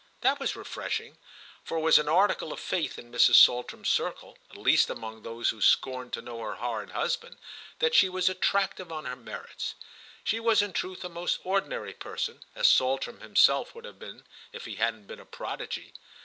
That was refreshing, for it was an article of faith in Mrs. Saltram's circle—at least among those who scorned to know her horrid husband—that she was attractive on her merits. She was in truth a most ordinary person, as Saltram himself would have been if he hadn't been a prodigy.